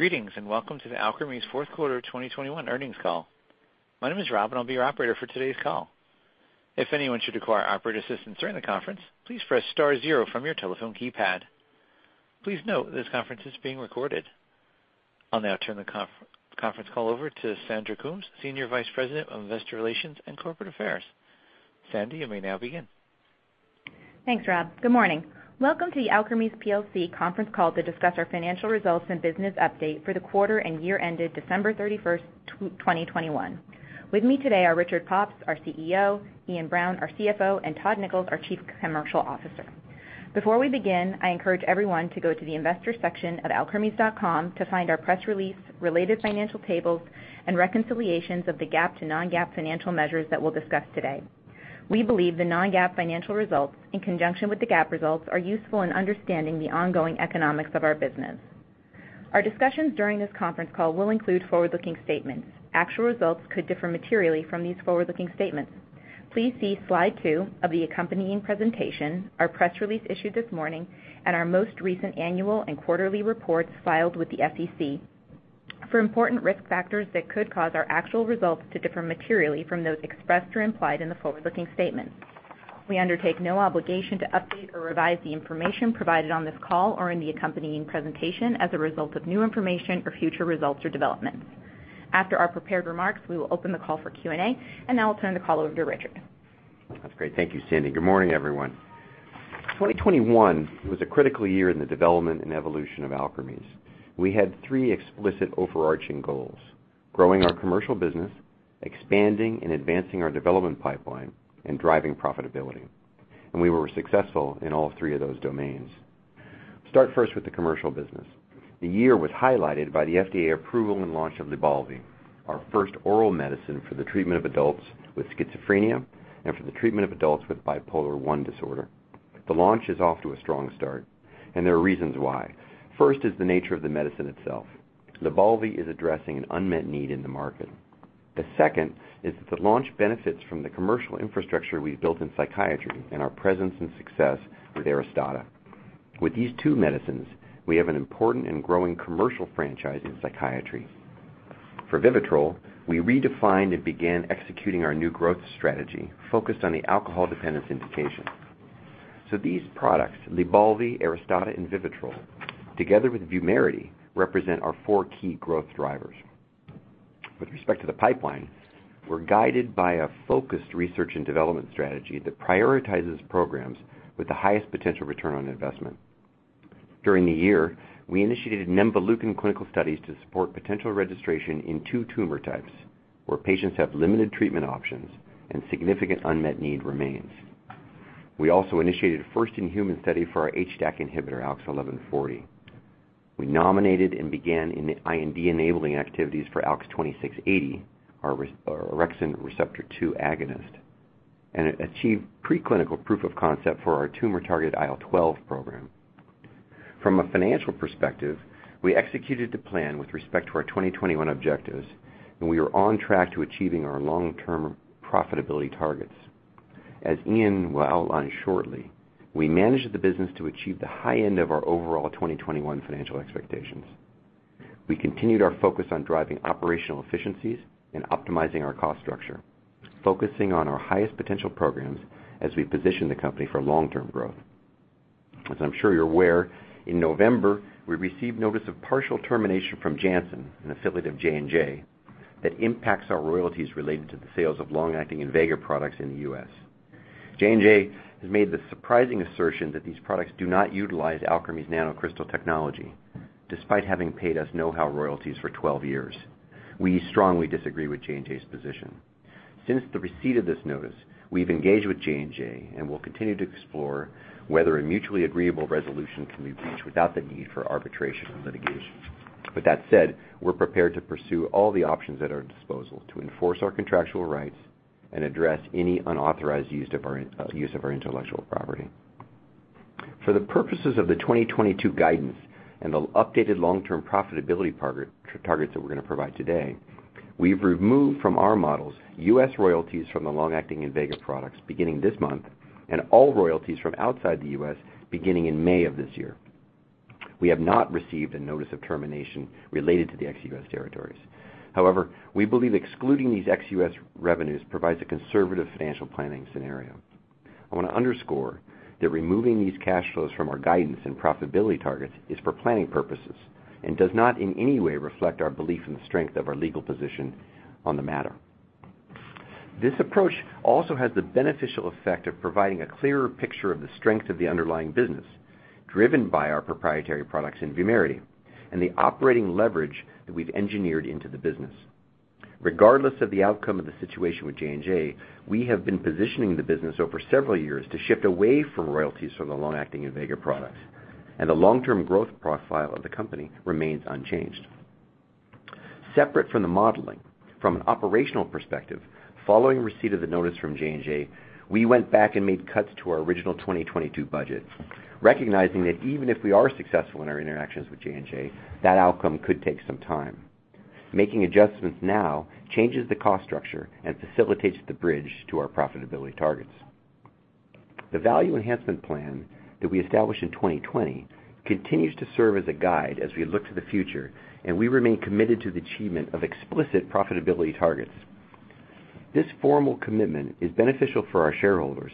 Greetings, and welcome to the Alkermes fourth quarter 2021 earnings call. My name is Rob, and I'll be your operator for today's call. If anyone should require operator assistance during the conference, please press star zero from your telephone keypad. Please note this conference is being recorded. I'll now turn the conference call over to Sandy Coombs, Senior Vice President of Investor Relations and Corporate Affairs. Sandy, you may now begin. Thanks, Rob. Good morning. Welcome to the Alkermes plc conference call to discuss our financial results and business update for the quarter and year ended December 31, 2021. With me today are Richard Pops, our CEO, Iain Brown, our CFO, and Todd Nichols, our Chief Commercial Officer. Before we begin, I encourage everyone to go to the investor section at alkermes.com to find our press release, related financial tables, and reconciliations of the GAAP to non-GAAP financial measures that we'll discuss today. We believe the non-GAAP financial results, in conjunction with the GAAP results, are useful in understanding the ongoing economics of our business. Our discussions during this conference call will include forward-looking statements. Actual results could differ materially from these forward-looking statements. Please see slide 2 of the accompanying presentation, our press release issued this morning, and our most recent annual and quarterly reports filed with the SEC for important risk factors that could cause our actual results to differ materially from those expressed or implied in the forward-looking statements. We undertake no obligation to update or revise the information provided on this call or in the accompanying presentation as a result of new information or future results or developments. After our prepared remarks, we will open the call for Q&A, and now I'll turn the call over to Richard. That's great. Thank you, Sandy. Good morning, everyone. 2021 was a critical year in the development and evolution of Alkermes. We had 3 explicit overarching goals, growing our commercial business, expanding and advancing our development pipeline, and driving profitability. We were successful in all three of those domains. Start first with the commercial business. The year was highlighted by the FDA approval and launch of LYBALVI, our first oral medicine for the treatment of adults with schizophrenia and for the treatment of adults with bipolar I disorder. The launch is off to a strong start, and there are reasons why. First is the nature of the medicine itself. LYBALVI is addressing an unmet need in the market. The second is that the launch benefits from the commercial infrastructure we've built in psychiatry and our presence and success with Aristada. With these two medicines, we have an important and growing commercial franchise in psychiatry. For Vivitrol, we redefined and began executing our new growth strategy focused on the alcohol dependence indication. These products, LYBALVI, Aristada, and Vivitrol, together with VUMERITY, represent our four key growth drivers. With respect to the pipeline, we're guided by a focused research and development strategy that prioritizes programs with the highest potential return on investment. During the year, we initiated Nemvaleukin clinical studies to support potential registration in two tumor types where patients have limited treatment options and significant unmet need remains. We also initiated a first-in-human study for our HDAC inhibitor, ALKS 1140. We nominated and began the IND-enabling activities for ALKS 2680, our orexin 2 receptor agonist, and achieved pre-clinical proof of concept for our tumor-targeted IL-12 program. From a financial perspective, we executed the plan with respect to our 2021 objectives, and we are on track to achieving our long-term profitability targets. As Iain will outline shortly, we managed the business to achieve the high end of our overall 2021 financial expectations. We continued our focus on driving operational efficiencies and optimizing our cost structure, focusing on our highest potential programs as we position the company for long-term growth. As I'm sure you're aware, in November, we received notice of partial termination from Janssen, an affiliate of J&J, that impacts our royalties related to the sales of long-acting Invega products in the U.S. J&J has made the surprising assertion that these products do not utilize Alkermes' NanoCrystal technology, despite having paid us know-how royalties for 12 years. We strongly disagree with J&J's position. Since the receipt of this notice, we've engaged with J&J and will continue to explore whether a mutually agreeable resolution can be reached without the need for arbitration or litigation. With that said, we're prepared to pursue all the options at our disposal to enforce our contractual rights and address any unauthorized use of our intellectual property. For the purposes of the 2022 guidance and the updated long-term profitability targets that we're gonna provide today, we've removed from our models U.S. royalties from the long-acting Invega products beginning this month and all royalties from outside the U.S. beginning in May of this year. We have not received a notice of termination related to the ex-US territories. However, we believe excluding these ex-US revenues provides a conservative financial planning scenario. I wanna underscore that removing these cash flows from our guidance and profitability targets is for planning purposes and does not in any way reflect our belief in the strength of our legal position on the matter. This approach also has the beneficial effect of providing a clearer picture of the strength of the underlying business, driven by our proprietary products in VUMERITY and the operating leverage that we've engineered into the business. Regardless of the outcome of the situation with J&J, we have been positioning the business over several years to shift away from royalties from the long-acting Invega products, and the long-term growth profile of the company remains unchanged. Separate from the modeling, from an operational perspective, following receipt of the notice from J&J, we went back and made cuts to our original 2022 budget, recognizing that even if we are successful in our interactions with J&J, that outcome could take some time. Making adjustments now changes the cost structure and facilitates the bridge to our profitability targets. The value enhancement plan that we established in 2020 continues to serve as a guide as we look to the future, and we remain committed to the achievement of explicit profitability targets. This formal commitment is beneficial for our shareholders,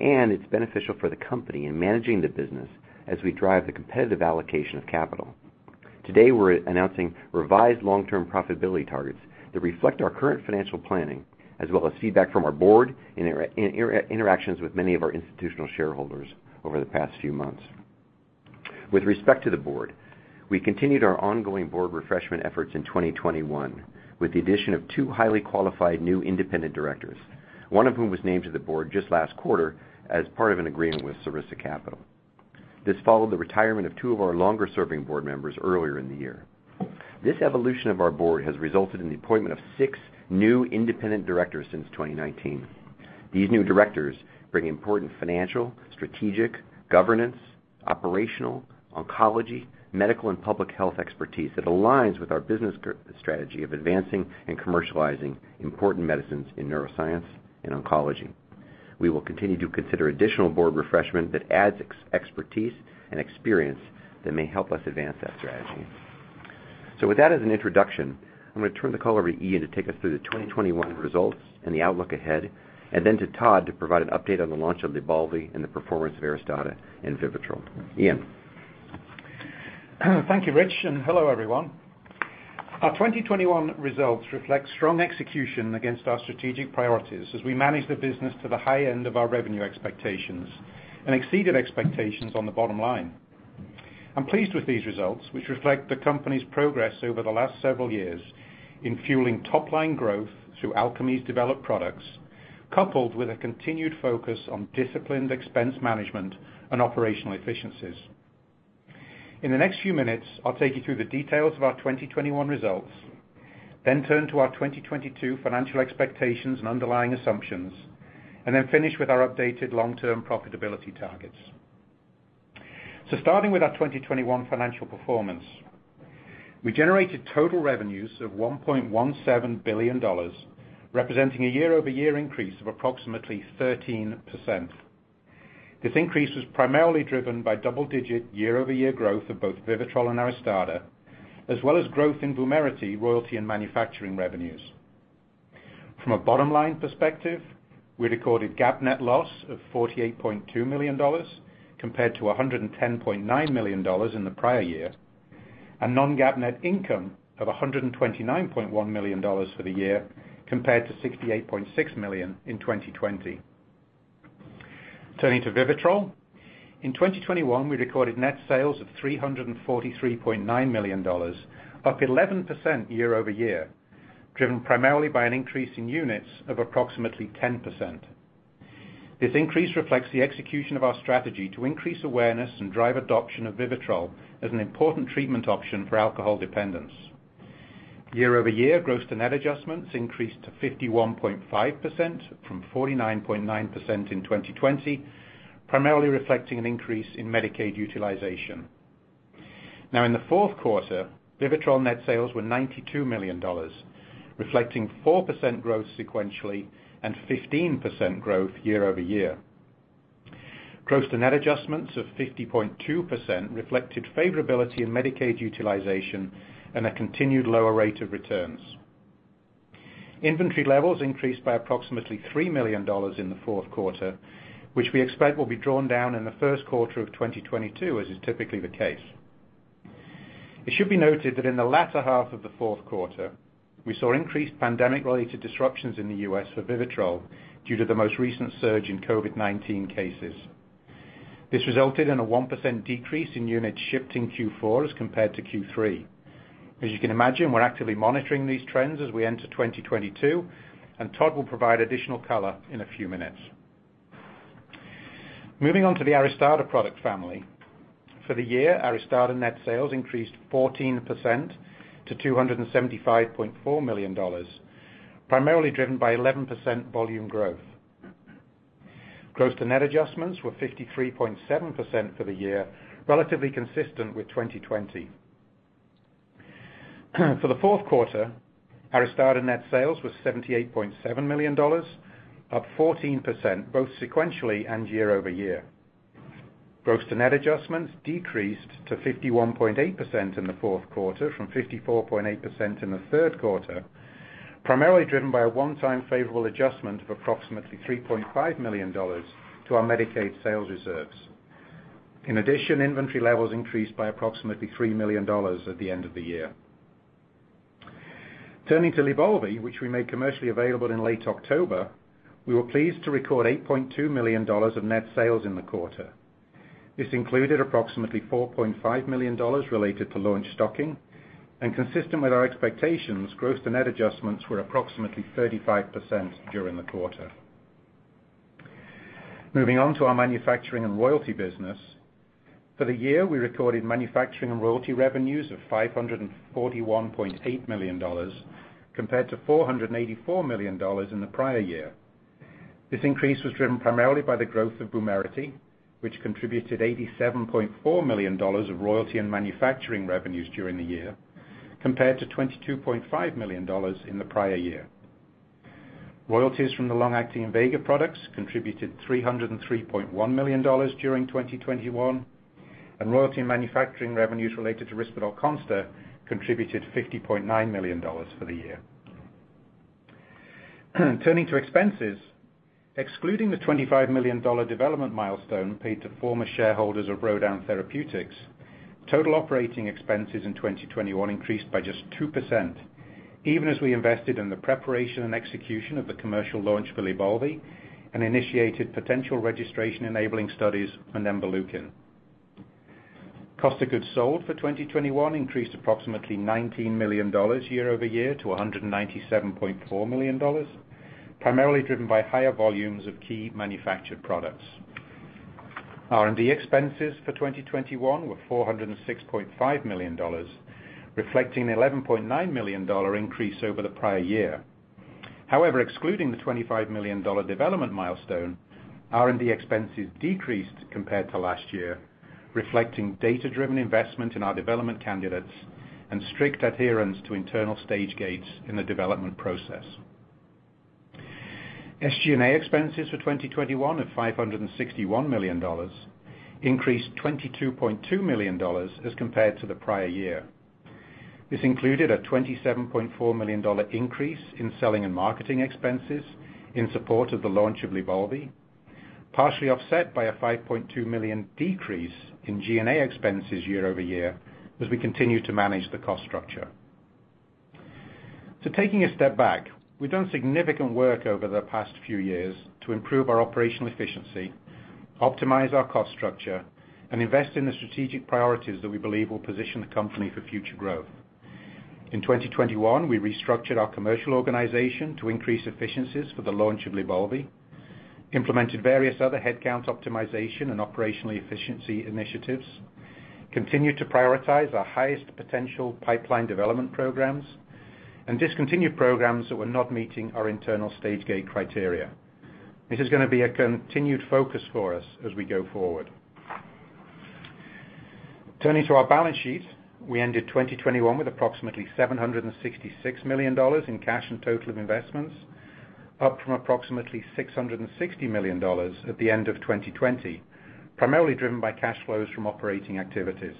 and it's beneficial for the company in managing the business as we drive the competitive allocation of capital. Today, we're announcing revised long-term profitability targets that reflect our current financial planning, as well as feedback from our board in interactions with many of our institutional shareholders over the past few months. With respect to the board, we continued our ongoing board refreshment efforts in 2021 with the addition of two highly qualified new independent directors, one of whom was named to the board just last quarter as part of an agreement with Sarissa Capital. This followed the retirement of two of our longer-serving board members earlier in the year. This evolution of our board has resulted in the appointment of six new independent directors since 2019. These new directors bring important financial, strategic, governance, operational, oncology, medical, and public health expertise that aligns with our business strategy of advancing and commercializing important medicines in neuroscience and oncology. We will continue to consider additional board refreshment that adds expertise and experience that may help us advance that strategy. With that as an introduction, I'm gonna turn the call over to Iain to take us through the 2021 results and the outlook ahead, and then to Todd to provide an update on the launch of LYBALVI and the performance of Aristada and Vivitrol. Iain. Thank you, Rich, and hello, everyone. Our 2021 results reflect strong execution against our strategic priorities as we manage the business to the high end of our revenue expectations and exceeded expectations on the bottom line. I'm pleased with these results, which reflect the company's progress over the last several years in fueling top-line growth through Alkermes developed products, coupled with a continued focus on disciplined expense management and operational efficiencies. In the next few minutes, I'll take you through the details of our 2021 results, then turn to our 2022 financial expectations and underlying assumptions, and then finish with our updated long-term profitability targets. Starting with our 2021 financial performance. We generated total revenues of $1.17 billion, representing a year-over-year increase of approximately 13%. This increase was primarily driven by double-digit year-over-year growth of both Vivitrol and Aristada, as well as growth in VUMERITY royalty and manufacturing revenues. From a bottom-line perspective, we recorded GAAP net loss of $48.2 million compared to $110.9 million in the prior year, and non-GAAP net income of $129.1 million for the year compared to $68.6 million in 2020. Turning to Vivitrol. In 2021, we recorded net sales of $343.9 million, up 11% year over year, driven primarily by an increase in units of approximately 10%. This increase reflects the execution of our strategy to increase awareness and drive adoption of Vivitrol as an important treatment option for alcohol dependence. Year-over-year, gross to net adjustments increased to 51.5% from 49.9% in 2020, primarily reflecting an increase in Medicaid utilization. Now, in the fourth quarter, Vivitrol net sales were $92 million, reflecting 4% growth sequentially and 15% growth year-over-year. Gross to net adjustments of 50.2% reflected favorability in Medicaid utilization and a continued lower rate of returns. Inventory levels increased by approximately $3 million in the fourth quarter, which we expect will be drawn down in the first quarter of 2022, as is typically the case. It should be noted that in the latter half of the fourth quarter, we saw increased pandemic-related disruptions in the U.S. for Vivitrol due to the most recent surge in COVID-19 cases. This resulted in a 1% decrease in units shipped in Q4 as compared to Q3. As you can imagine, we're actively monitoring these trends as we enter 2022, and Todd will provide additional color in a few minutes. Moving on to the Aristada product family. For the year, Aristada net sales increased 14% to $275.4 million, primarily driven by 11% volume growth. Gross to net adjustments were 53.7% for the year, relatively consistent with 2020. For the fourth quarter, Aristada net sales was $78.7 million, up 14%, both sequentially and year over year. Gross to net adjustments decreased to 51.8% in the fourth quarter from 54.8% in the third quarter, primarily driven by a one-time favorable adjustment of approximately $3.5 million to our Medicaid sales reserves. In addition, inventory levels increased by approximately $3 million at the end of the year. Turning to LYBALVI, which we made commercially available in late October, we were pleased to record $8.2 million of net sales in the quarter. This included approximately $4.5 million related to launch stocking. Consistent with our expectations, gross to net adjustments were approximately 35% during the quarter. Moving on to our manufacturing and royalty business. For the year, we recorded manufacturing and royalty revenues of $541.8 million compared to $484 million in the prior year. This increase was driven primarily by the growth of VUMERITY, which contributed $87.4 million of royalty and manufacturing revenues during the year compared to $22.5 million in the prior year. Royalties from the long-acting Invega products contributed $303.1 million during 2021, and royalty and manufacturing revenues related to Risperdal Consta contributed $50.9 million for the year. Turning to expenses, excluding the $25 million development milestone paid to former shareholders of Rodin Therapeutics, total operating expenses in 2021 increased by just 2%, even as we invested in the preparation and execution of the commercial launch for LYBALVI and initiated potential registration-enabling studies on nemvaleukin. Cost of goods sold for 2021 increased approximately $19 million year-over-year to $197.4 million, primarily driven by higher volumes of key manufactured products. R&D expenses for 2021 were $406.5 million, reflecting $11.9 million increase over the prior year. However, excluding the $25 million development milestone, R&D expenses decreased compared to last year, reflecting data-driven investment in our development candidates and strict adherence to internal stage gates in the development process. SG&A expenses for 2021 of $561 million increased $22.2 million as compared to the prior year. This included a $27.4 million increase in selling and marketing expenses in support of the launch of LYBALVI, partially offset by a $5.2 million decrease in G&A expenses year-over-year as we continue to manage the cost structure. Taking a step back, we've done significant work over the past few years to improve our operational efficiency, optimize our cost structure, and invest in the strategic priorities that we believe will position the company for future growth. In 2021, we restructured our commercial organization to increase efficiencies for the launch of LYBALVI, implemented various other headcount optimization and operational efficiency initiatives, continued to prioritize our highest potential pipeline development programs, and discontinued programs that were not meeting our internal stage gate criteria. This is going to be a continued focus for us as we go forward. Turning to our balance sheet, we ended 2021 with approximately $766 million in cash and total investments, up from approximately $660 million at the end of 2020, primarily driven by cash flows from operating activities.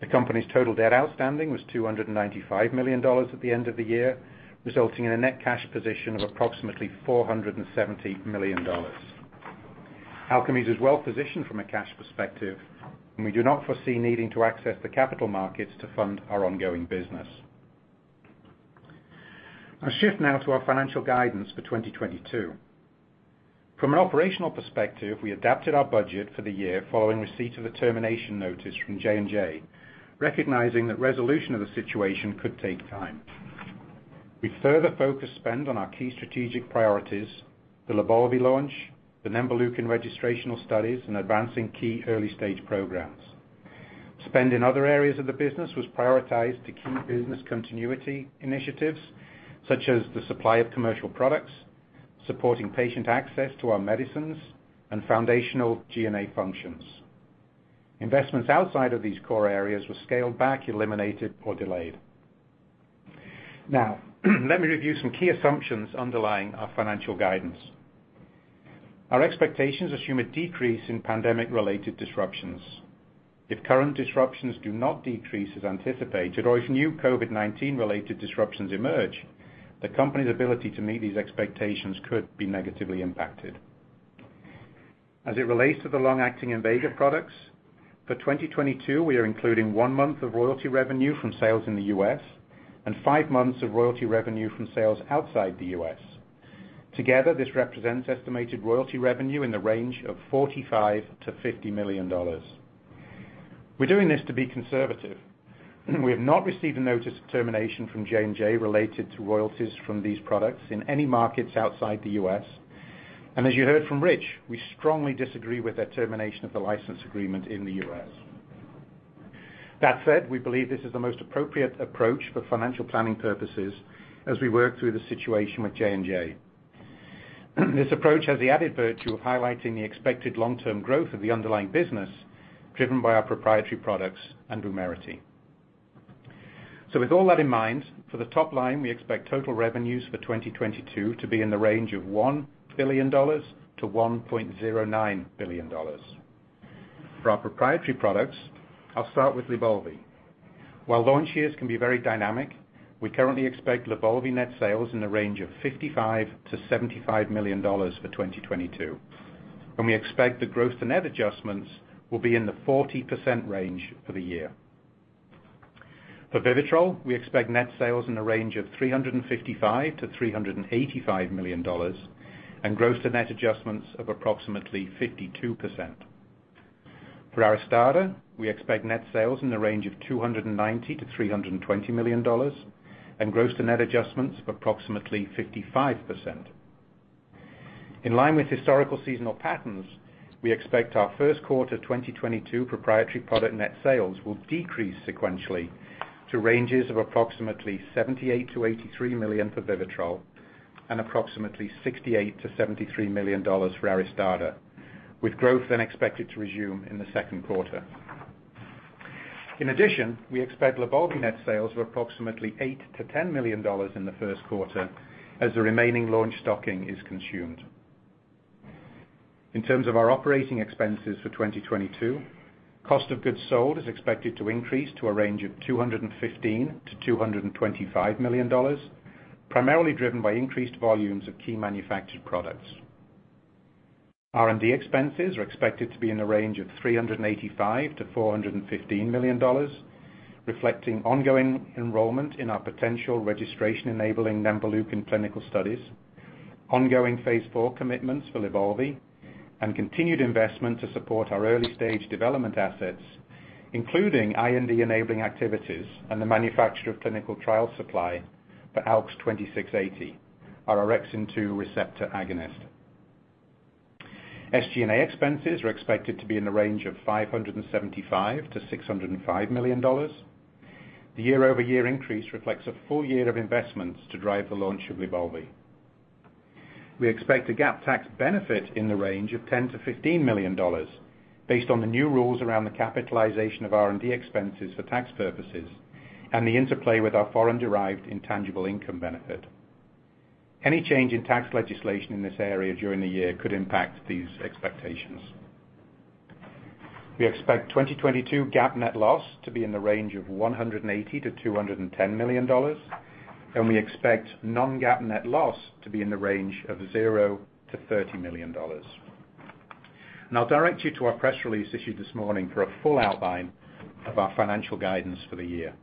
The company's total debt outstanding was $295 million at the end of the year, resulting in a net cash position of approximately $470 million. Alkermes is well-positioned from a cash perspective, and we do not foresee needing to access the capital markets to fund our ongoing business. I'll shift now to our financial guidance for 2022. From an operational perspective, we adapted our budget for the year following receipt of a termination notice from J&J, recognizing that resolution of the situation could take time. We further focused spend on our key strategic priorities, the LYBALVI launch, the nemvaleukin registrational studies, and advancing key early-stage programs. Spend in other areas of the business was prioritized to keep business continuity initiatives, such as the supply of commercial products, supporting patient access to our medicines, and foundational G&A functions. Investments outside of these core areas were scaled back, eliminated, or delayed. Now, let me review some key assumptions underlying our financial guidance. Our expectations assume a decrease in pandemic-related disruptions. If current disruptions do not decrease as anticipated or if new COVID-19-related disruptions emerge, the company's ability to meet these expectations could be negatively impacted. As it relates to the long-acting Invega products, for 2022, we are including one month of royalty revenue from sales in the U.S. and five months of royalty revenue from sales outside the U.S. Together, this represents estimated royalty revenue in the range of $45 million-$50 million. We're doing this to be conservative. We have not received a notice of termination from J&J related to royalties from these products in any markets outside the U.S. As you heard from Rich, we strongly disagree with their termination of the license agreement in the U.S. That said, we believe this is the most appropriate approach for financial planning purposes as we work through the situation with J&J. This approach has the added virtue of highlighting the expected long-term growth of the underlying business driven by our proprietary products and VUMERITY. With all that in mind, for the top line, we expect total revenues for 2022 to be in the range of $1 billion-$1.09 billion. For our proprietary products, I'll start with LYBALVI. While launch years can be very dynamic, we currently expect LYBALVI net sales in the range of $55 million-$75 million for 2022, and we expect the gross-to-net adjustments will be in the 40% range for the year. For Vivitrol, we expect net sales in the range of $355 million-$385 million and gross-to-net adjustments of approximately 52%. For Aristada, we expect net sales in the range of $290 million-$320 million and gross-to-net adjustments of approximately 55%. In line with historical seasonal patterns, we expect our first quarter 2022 proprietary product net sales will decrease sequentially to ranges of approximately $78 million-$83 million for Vivitrol and approximately $68 million-$73 million for Aristada, with growth then expected to resume in the second quarter. In addition, we expect LYBALVI net sales of approximately $8 million-$10 million in the first quarter as the remaining launch stocking is consumed. In terms of our operating expenses for 2022, cost of goods sold is expected to increase to a range of $215 million-$225 million, primarily driven by increased volumes of key manufactured products. R&D expenses are expected to be in the range of $385 million-$415 million, reflecting ongoing enrollment in our potential registration-enabling nemvaleukin clinical studies, ongoing phase IV commitments for LYBALVI, and continued investment to support our early-stage development assets, including IND-enabling activities and the manufacture of clinical trial supply for ALKS 2680, our orexin 2 receptor agonist. SG&A expenses are expected to be in the range of $575 million-$605 million. The year-over-year increase reflects a full year of investments to drive the launch of LYBALVI. We expect a GAAP tax benefit in the range of $10 million-$15 million based on the new rules around the capitalization of R&D expenses for tax purposes and the interplay with our foreign-derived intangible income benefit. Any change in tax legislation in this area during the year could impact these expectations. We expect 2022 GAAP net loss to be in the range of $180 million-$210 million, and we expect non-GAAP net loss to be in the range of $0-$30 million. I'll direct you to our press release issued this morning for a full outline of our financial guidance for the year.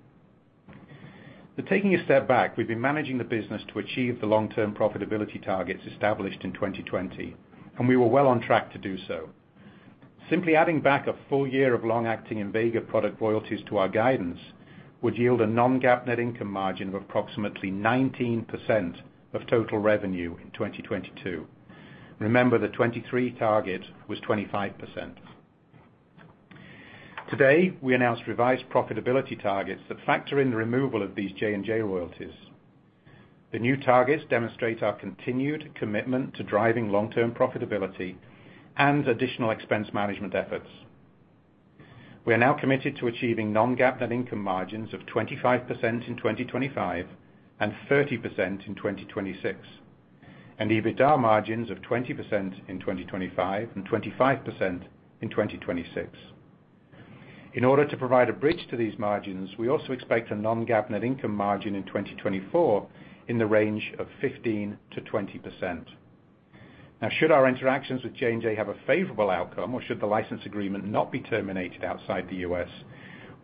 Taking a step back, we've been managing the business to achieve the long-term profitability targets established in 2020, and we were well on track to do so. Simply adding back a full year of long-acting Invega product royalties to our guidance would yield a non-GAAP net income margin of approximately 19% of total revenue in 2022. Remember, the 2023 target was 25%. Today, we announced revised profitability targets that factor in the removal of these J&J royalties. The new targets demonstrate our continued commitment to driving long-term profitability and additional expense management efforts. We are now committed to achieving non-GAAP net income margins of 25% in 2025 and 30% in 2026, and EBITDA margins of 20% in 2025 and 25% in 2026. In order to provide a bridge to these margins, we also expect a non-GAAP net income margin in 2024 in the range of 15%-20%. Now, should our interactions with J&J have a favorable outcome, or should the license agreement not be terminated outside the U.S.,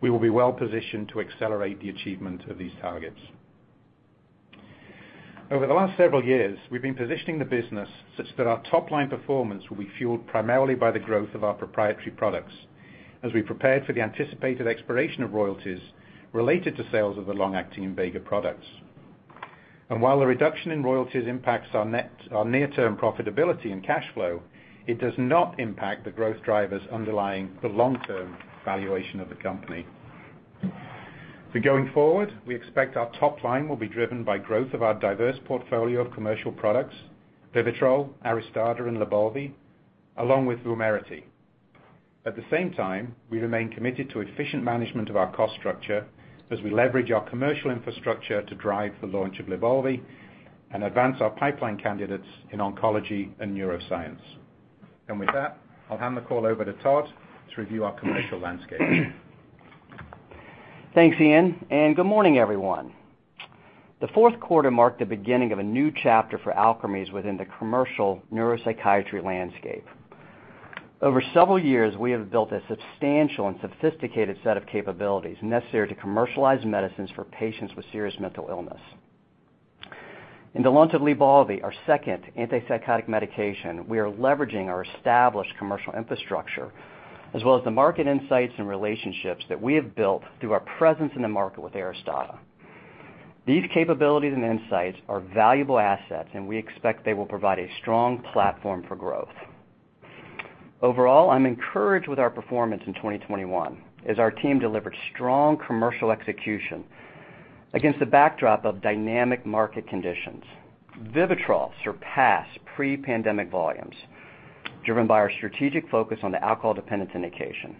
we will be well-positioned to accelerate the achievement of these targets. Over the last several years, we've been positioning the business such that our top-line performance will be fueled primarily by the growth of our proprietary products as we prepared for the anticipated expiration of royalties related to sales of the long-acting Invega products. While the reduction in royalties impacts our near-term profitability and cash flow, it does not impact the growth drivers underlying the long-term valuation of the company. Going forward, we expect our top line will be driven by growth of our diverse portfolio of commercial products, VIVITROL, ARISTADA, and LYBALVI, along with VUMERITY. At the same time, we remain committed to efficient management of our cost structure as we leverage our commercial infrastructure to drive the launch of LYBALVI and advance our pipeline candidates in oncology and neuroscience. With that, I'll hand the call over to Todd to review our commercial landscape. Thanks, Iain, and good morning, everyone. The fourth quarter marked the beginning of a new chapter for Alkermes within the commercial neuropsychiatry landscape. Over several years, we have built a substantial and sophisticated set of capabilities necessary to commercialize medicines for patients with serious mental illness. In the launch of LYBALVI, our second antipsychotic medication, we are leveraging our established commercial infrastructure, as well as the market insights and relationships that we have built through our presence in the market with ARISTADA. These capabilities and insights are valuable assets, and we expect they will provide a strong platform for growth. Overall, I'm encouraged with our performance in 2021 as our team delivered strong commercial execution against the backdrop of dynamic market conditions. VIVITROL surpassed pre-pandemic volumes, driven by our strategic focus on the alcohol dependence indication.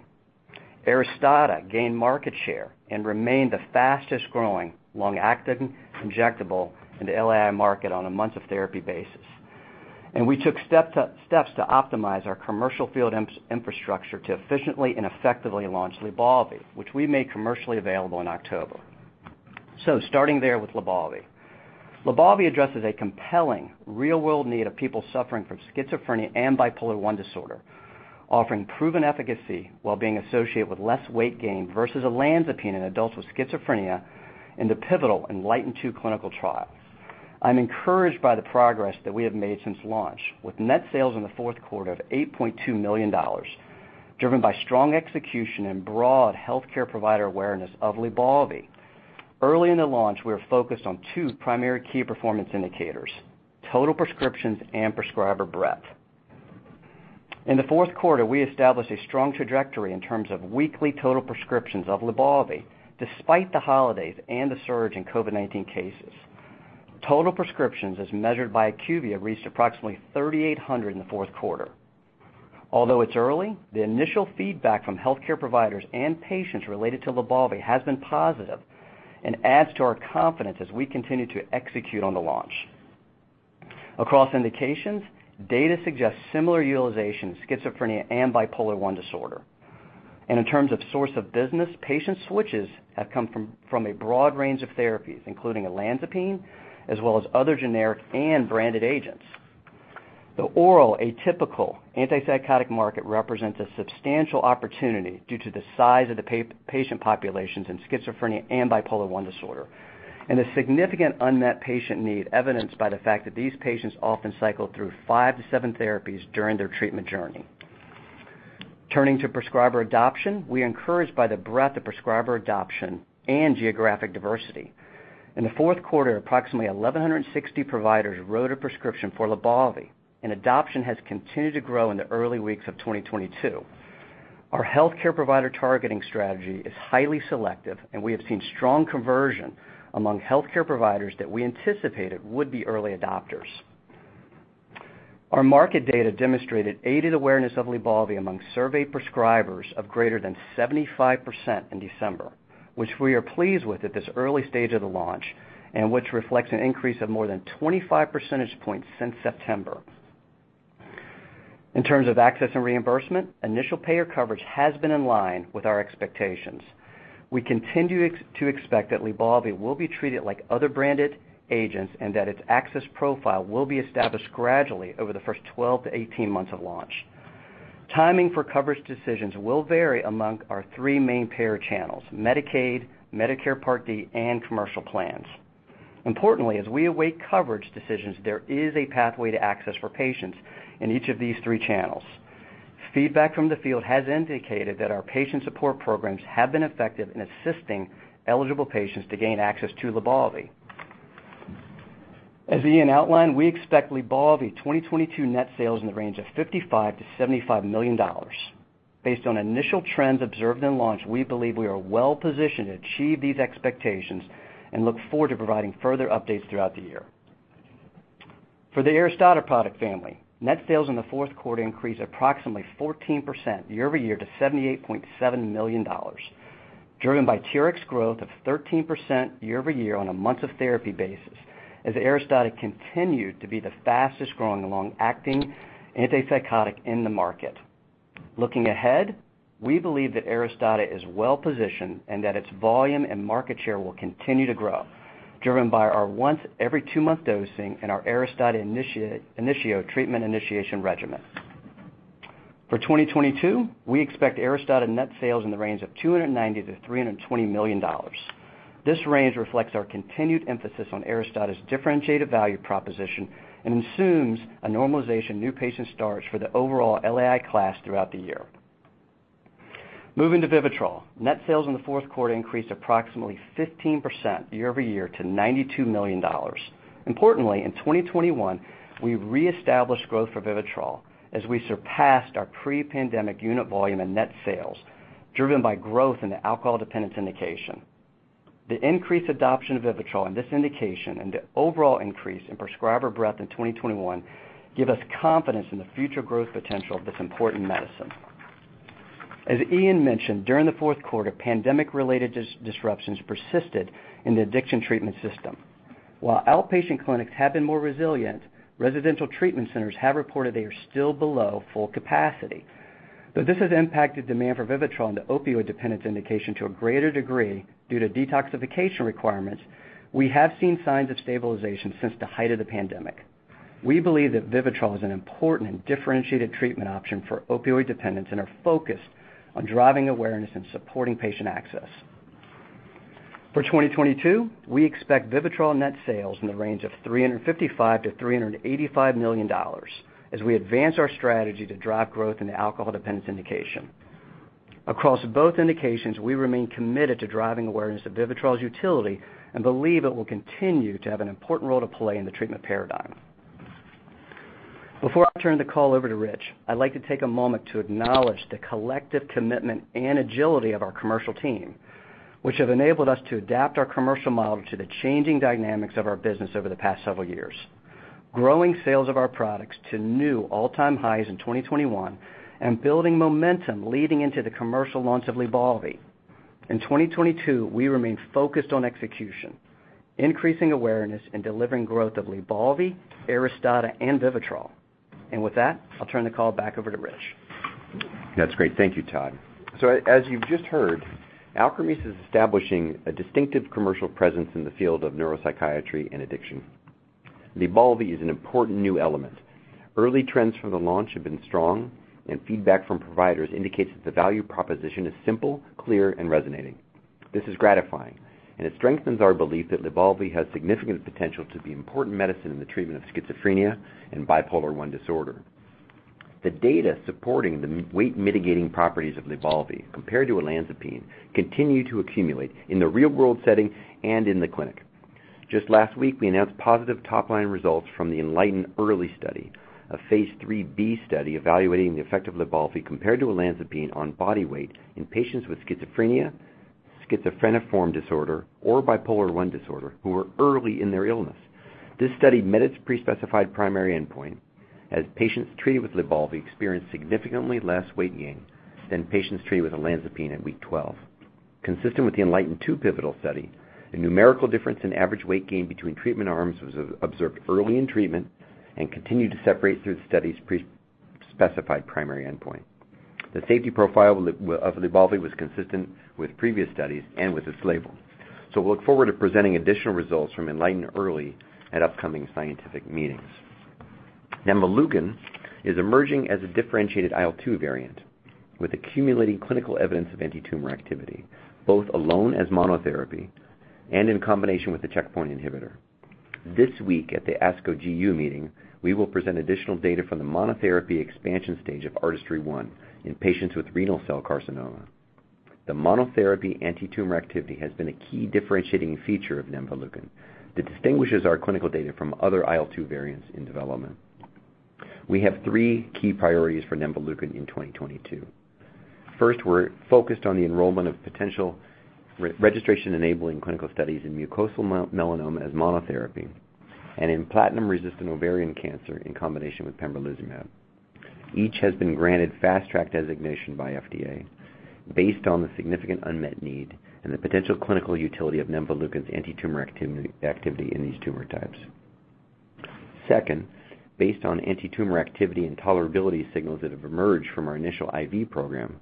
ARISTADA gained market share and remained the fastest-growing long-acting injectable in the LAI market on a months of therapy basis. We took steps to optimize our commercial field infrastructure to efficiently and effectively launch LYBALVI, which we made commercially available in October. Starting there with LYBALVI. LYBALVI addresses a compelling real-world need of people suffering from schizophrenia and bipolar I disorder, offering proven efficacy while being associated with less weight gain versus olanzapine in adults with schizophrenia in the pivotal ENLIGHTEN-2 clinical trials. I'm encouraged by the progress that we have made since launch, with net sales in the fourth quarter of $8.2 million, driven by strong execution and broad healthcare provider awareness of LYBALVI. Early in the launch, we are focused on two primary key performance indicators, total prescriptions and prescriber breadth. In the fourth quarter, we established a strong trajectory in terms of weekly total prescriptions of LYBALVI despite the holidays and the surge in COVID-19 cases. Total prescriptions as measured by IQVIA reached approximately 3,800 in the fourth quarter. Although it's early, the initial feedback from healthcare providers and patients related to LYBALVI has been positive and adds to our confidence as we continue to execute on the launch. Across indications, data suggests similar utilization in schizophrenia and bipolar I disorder. In terms of source of business, patient switches have come from a broad range of therapies, including olanzapine, as well as other generic and branded agents. The oral atypical antipsychotic market represents a substantial opportunity due to the size of the patient populations in schizophrenia and bipolar I disorder, and a significant unmet patient need evidenced by the fact that these patients often cycle through 5-7 therapies during their treatment journey. Turning to prescriber adoption, we are encouraged by the breadth of prescriber adoption and geographic diversity. In the fourth quarter, approximately 1,160 providers wrote a prescription for LYBALVI, and adoption has continued to grow in the early weeks of 2022. Our healthcare provider targeting strategy is highly selective, and we have seen strong conversion among healthcare providers that we anticipated would be early adopters. Our market data demonstrated aided awareness of LYBALVI among surveyed prescribers of greater than 75% in December, which we are pleased with at this early stage of the launch and which reflects an increase of more than 25 percentage points since September. In terms of access and reimbursement, initial payer coverage has been in line with our expectations. We continue to expect that LYBALVI will be treated like other branded agents and that its access profile will be established gradually over the first 12-18 months of launch. Timing for coverage decisions will vary among our three main payer channels, Medicaid, Medicare Part D, and commercial plans. Importantly, as we await coverage decisions, there is a pathway to access for patients in each of these three channels. Feedback from the field has indicated that our patient support programs have been effective in assisting eligible patients to gain access to LYBALVI. As Iain outlined, we expect LYBALVI 2022 net sales in the range of $55 million-$75 million. Based on initial trends observed in launch, we believe we are well-positioned to achieve these expectations and look forward to providing further updates throughout the year. For the Aristada product family, net sales in the fourth quarter increased approximately 14% year-over-year to $78.7 million, driven by TRX growth of 13% year-over-year on a months of therapy basis as Aristada continued to be the fastest growing long-acting antipsychotic in the market. Looking ahead, we believe that Aristada is well-positioned and that its volume and market share will continue to grow, driven by our once every two-month dosing and our ARISTADA INITIO treatment initiation regimen. For 2022, we expect Aristada net sales in the range of $290 million-$320 million. This range reflects our continued emphasis on Aristada's differentiated value proposition and assumes a normalization of new patient starts for the overall LAI class throughout the year. Moving to Vivitrol. Net sales in the fourth quarter increased approximately 15% year over year to $92 million. Importantly, in 2021, we reestablished growth for Vivitrol as we surpassed our pre-pandemic unit volume and net sales driven by growth in the alcohol dependence indication. The increased adoption of Vivitrol in this indication and the overall increase in prescriber breadth in 2021 give us confidence in the future growth potential of this important medicine. As Iain mentioned, during the fourth quarter, pandemic related disruptions persisted in the addiction treatment system. While outpatient clinics have been more resilient, residential treatment centers have reported they are still below full capacity. Though this has impacted demand for Vivitrol in the opioid dependence indication to a greater degree due to detoxification requirements, we have seen signs of stabilization since the height of the pandemic. We believe that Vivitrol is an important and differentiated treatment option for opioid dependence and are focused on driving awareness and supporting patient access. For 2022, we expect Vivitrol net sales in the range of $355 million-$385 million as we advance our strategy to drive growth in the alcohol dependence indication. Across both indications, we remain committed to driving awareness of Vivitrol's utility and believe it will continue to have an important role to play in the treatment paradigm. Before I turn the call over to Rich, I'd like to take a moment to acknowledge the collective commitment and agility of our commercial team, which have enabled us to adapt our commercial model to the changing dynamics of our business over the past several years, growing sales of our products to new all-time highs in 2021, and building momentum leading into the commercial launch of LYBALVI. In 2022, we remain focused on execution, increasing awareness, and delivering growth of LYBALVI, Aristada, and Vivitrol. With that, I'll turn the call back over to Rich. That's great. Thank you, Todd. As you've just heard, Alkermes is establishing a distinctive commercial presence in the field of neuropsychiatry and addiction. LYBALVI is an important new element. Early trends from the launch have been strong, and feedback from providers indicates that the value proposition is simple, clear, and resonating. This is gratifying, and it strengthens our belief that LYBALVI has significant potential to be important medicine in the treatment of schizophrenia and bipolar I disorder. The data supporting the metabolic weight mitigating properties of LYBALVI compared to olanzapine continue to accumulate in the real world setting and in the clinic. Just last week, we announced positive top-line results from the ENLIGHTEN-Early study, a phase IIIb study evaluating the effect of LYBALVI compared to olanzapine on body weight in patients with schizophrenia, schizophreniform disorder or bipolar I disorder who are early in their illness. This study met its pre-specified primary endpoint as patients treated with LYBALVI experienced significantly less weight gain than patients treated with olanzapine at week 12. Consistent with the ENLIGHTEN-2 pivotal study, the numerical difference in average weight gain between treatment arms was observed early in treatment and continued to separate through the study's pre-specified primary endpoint. The safety profile of LYBALVI was consistent with previous studies and with its label. We look forward to presenting additional results from ENLIGHTEN-Early at upcoming scientific meetings. Nemvaleukin is emerging as a differentiated IL-2 variant with accumulating clinical evidence of antitumor activity, both alone as monotherapy and in combination with the checkpoint inhibitor. This week at the ASCO GU meeting, we will present additional data from the monotherapy expansion stage of ARTISTRY-1 in patients with renal cell carcinoma. The monotherapy antitumor activity has been a key differentiating feature of nemvaleukin that distinguishes our clinical data from other IL-2 variants in development. We have three key priorities for nemvaleukin in 2022. First, we're focused on the enrollment of potential re-registration-enabling clinical studies in mucosal melanoma as monotherapy and in platinum-resistant ovarian cancer in combination with pembrolizumab. Each has been granted Fast Track designation by FDA based on the significant unmet need and the potential clinical utility of nemvaleukin's antitumor activity in these tumor types. Second, based on antitumor activity and tolerability signals that have emerged from our initial IV program,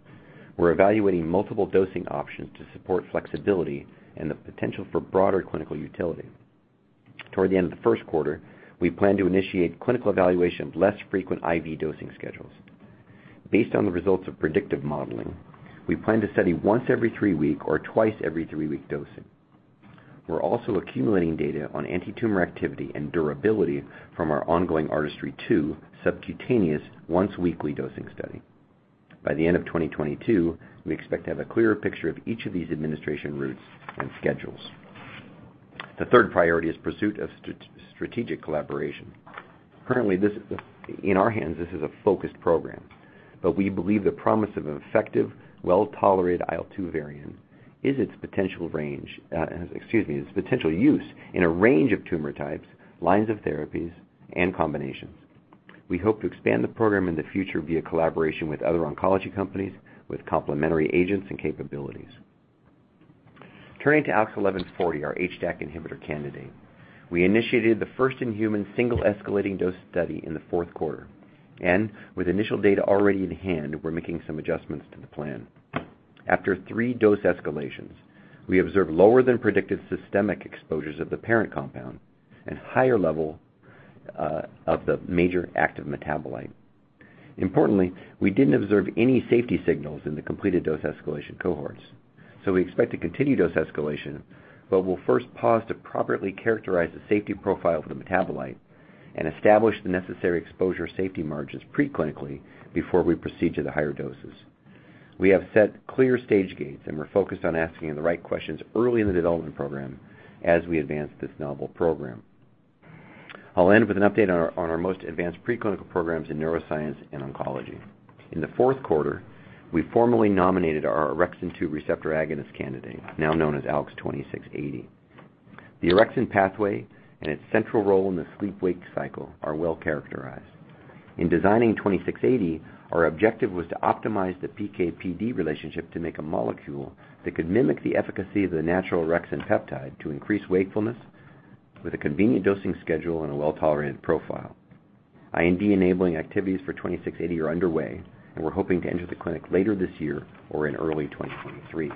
we're evaluating multiple dosing options to support flexibility and the potential for broader clinical utility. Toward the end of the first quarter, we plan to initiate clinical evaluation of less frequent IV dosing schedules. Based on the results of predictive modeling, we plan to study once every three-week or twice every three-week dosing. We're also accumulating data on antitumor activity and durability from our ongoing ARTISTRY-2 subcutaneous once-weekly dosing study. By the end of 2022, we expect to have a clearer picture of each of these administration routes and schedules. The third priority is pursuit of strategic collaboration. Currently, this is in our hands, this is a focused program, but we believe the promise of an effective, well-tolerated IL-2 variant is its potential range, its potential use in a range of tumor types, lines of therapies, and combinations. We hope to expand the program in the future via collaboration with other oncology companies with complementary agents and capabilities. Turning to ALKS 1140, our HDAC inhibitor candidate, we initiated the first-in-human single escalating dose study in the fourth quarter, and with initial data already in hand, we're making some adjustments to the plan. After three dose escalations, we observed lower than predicted systemic exposures of the parent compound and higher level of the major active metabolite. Importantly, we didn't observe any safety signals in the completed dose escalation cohorts. We expect to continue dose escalation, but we'll first pause to properly characterize the safety profile for the metabolite and establish the necessary exposure safety margins preclinically before we proceed to the higher doses. We have set clear stage gates, and we're focused on asking the right questions early in the development program as we advance this novel program. I'll end with an update on our most advanced preclinical programs in neuroscience and oncology. In the fourth quarter, we formally nominated our orexin-2 receptor agonist candidate, now known as ALKS 2680. The orexin pathway and its central role in the sleep-wake cycle are well characterized. In designing ALKS 2680, our objective was to optimize the PK/PD relationship to make a molecule that could mimic the efficacy of the natural orexin peptide to increase wakefulness with a convenient dosing schedule and a well-tolerated profile. IND-enabling activities for ALKS 2680 are underway, and we're hoping to enter the clinic later this year or in early 2023.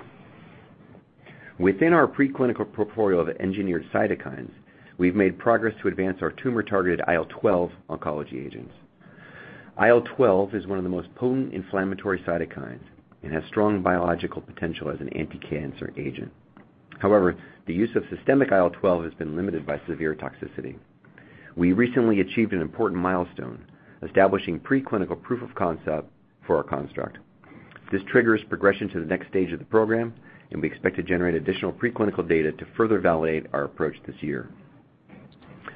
Within our preclinical portfolio of engineered cytokines, we've made progress to advance our tumor-targeted IL-12 oncology agents. IL-12 is one of the most potent inflammatory cytokines and has strong biological potential as an anticancer agent. However, the use of systemic IL-12 has been limited by severe toxicity. We recently achieved an important milestone, establishing preclinical proof of concept for our construct. This triggers progression to the next stage of the program, and we expect to generate additional preclinical data to further validate our approach this year.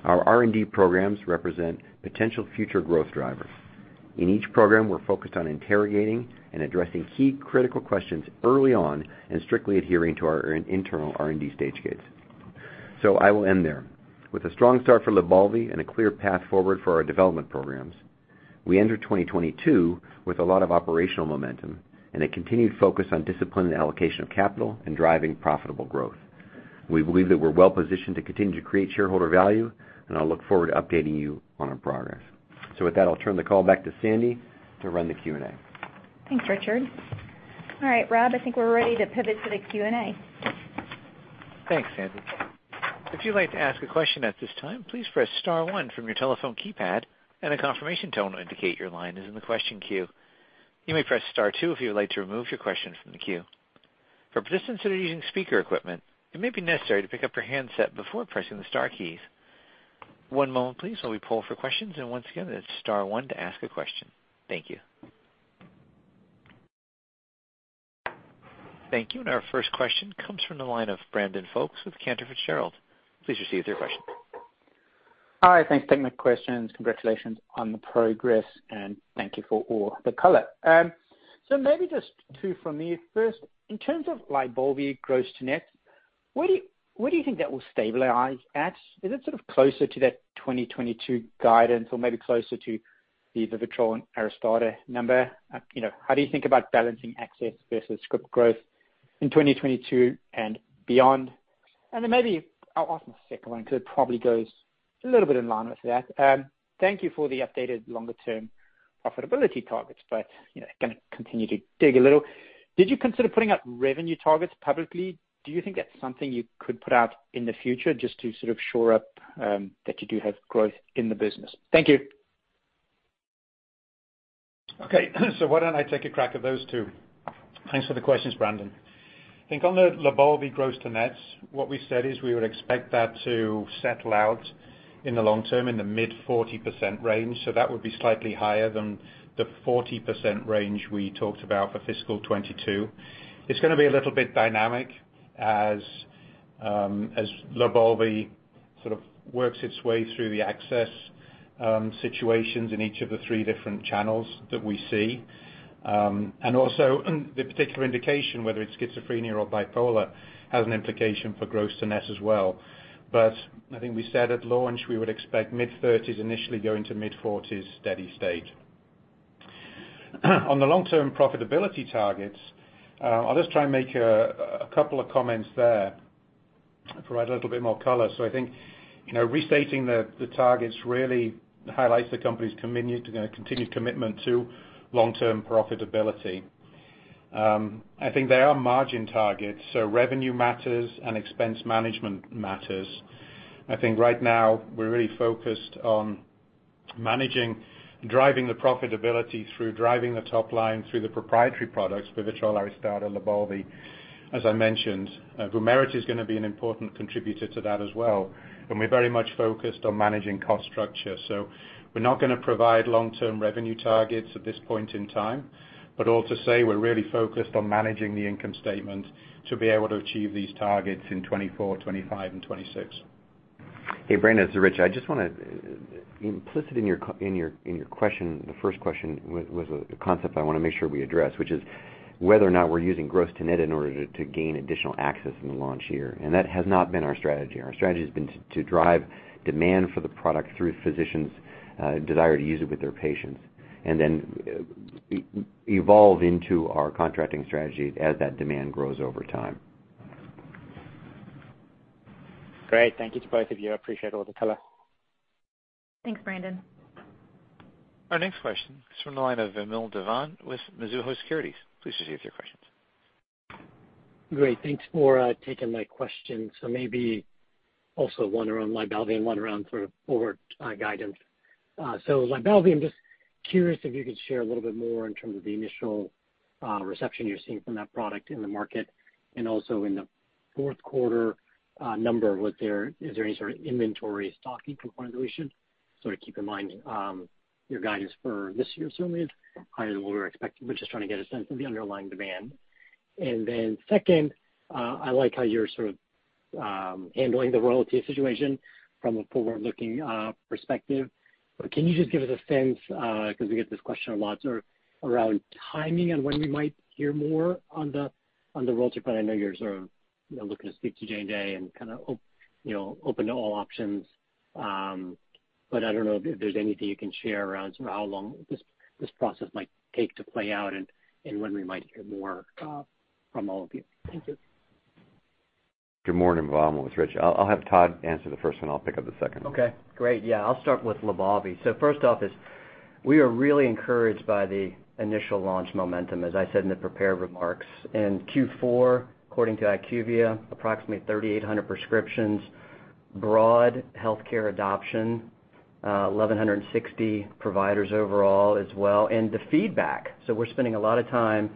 Our R&D programs represent potential future growth drivers. In each program, we're focused on interrogating and addressing key critical questions early on and strictly adhering to our internal R&D stage gates. I will end there. With a strong start for LYBALVI and a clear path forward for our development programs, we enter 2022 with a lot of operational momentum and a continued focus on disciplined allocation of capital and driving profitable growth. We believe that we're well positioned to continue to create shareholder value, and I look forward to updating you on our progress. With that, I'll turn the call back to Sandy to run the Q&A. Thanks, Richard. All right, Rob, I think we're ready to pivot to the Q&A. Thanks, Sandy. If you'd like to ask a question at this time, please press star one from your telephone keypad, and a confirmation tone will indicate your line is in the question queue. You may press star two if you would like to remove your question from the queue. For participants that are using speaker equipment, it may be necessary to pick up your handset before pressing the star keys. One moment please while we poll for questions, and once again, it's star one to ask a question. Thank you. Thank you. Our first question comes from the line of Brandon Folkes with Cantor Fitzgerald. Please proceed with your question. Hi. Thanks for the technical questions. Congratulations on the progress, and thank you for all the color. Maybe just two from me. First, in terms of LYBALVI gross to net, what do you think that will stabilize at? Is it sort of closer to that 2022 guidance or maybe closer to the Vivitrol and Aristada number? You know, how do you think about balancing access versus script growth in 2022 and beyond? Maybe I'll ask the second one because it probably goes a little bit in line with that. Thank you for the updated longer term profitability targets. You know, gonna continue to dig a little. Did you consider putting out revenue targets publicly? Do you think that's something you could put out in the future just to sort of shore up that you do have growth in the business? Thank you. Okay. Why don't I take a crack at those two? Thanks for the questions, Brandon. I think on the LYBALVI gross to nets, what we said is we would expect that to settle out in the long term, in the mid-40% range. That would be slightly higher than the 40% range we talked about for fiscal 2022. It's gonna be a little bit dynamic as LYBALVI sort of works its way through the access situations in each of the three different channels that we see. Also the particular indication, whether it's schizophrenia or bipolar, has an implication for gross to net as well. I think we said at launch we would expect mid-30s initially going to mid-40s steady-state. On the long-term profitability targets, I'll just try and make a couple of comments there, provide a little bit more color. I think, you know, restating the targets really highlights the company's continued commitment to long-term profitability. I think they are margin targets, so revenue matters and expense management matters. I think right now we're really focused on managing, driving the profitability through driving the top line through the proprietary products, VIVITROL, ARISTADA, LYBALVI, as I mentioned. VUMERITY is gonna be an important contributor to that as well. We're very much focused on managing cost structure. We're not gonna provide long-term revenue targets at this point in time, but all to say, we're really focused on managing the income statement to be able to achieve these targets in 2024, 2025 and 2026. Brandon, it's Rich. I just want to. Implicit in your question, the first question was a concept I want to make sure we address, which is whether or not we're using gross to net in order to gain additional access in the launch year, and that has not been our strategy. Our strategy has been to drive demand for the product through physicians' desire to use it with their patients, and then evolve into our contracting strategy as that demand grows over time. Great. Thank you to both of you. I appreciate all the color. Thanks, Brandon. Our next question is from the line of Vamil Divan with Mizuho Securities. Please proceed with your questions. Great. Thanks for taking my question. Maybe also one around LYBALVI and one around sort of forward guidance. LYBALVI, I'm just curious if you could share a little bit more in terms of the initial reception you're seeing from that product in the market and also in the fourth quarter number. Is there any sort of inventory stocking component that we should sort of keep in mind? Your guidance for this year certainly is higher than what we were expecting. We're just trying to get a sense of the underlying demand. Second, I like how you're sort of handling the royalty situation from a forward-looking perspective. Can you just give us a sense, 'cause we get this question a lot, sort of around timing and when we might hear more on the royalty front? I know you're sort of, you know, looking to speak to J&J and you know, open to all options. I don't know if there's anything you can share around sort of how long this process might take to play out and when we might hear more from all of you. Thank you. Good morning, Vamil. It's Richard. I'll have Todd answer the first one. I'll pick up the second. Okay, great. Yeah. I'll start with LYBALVI. First off, we are really encouraged by the initial launch momentum, as I said in the prepared remarks. In Q4, according to IQVIA, approximately 3,800 prescriptions, broad healthcare adoption, 1,160 providers overall as well, and the feedback. We're spending a lot of time